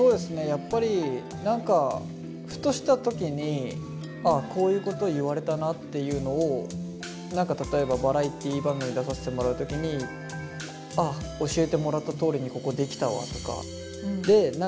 やっぱり何かふとした時にこういうことを言われたなっていうのを何か例えばバラエティー番組出させてもらう時にあっ教えてもらったとおりにここできたわ！とか。